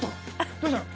どうしたの？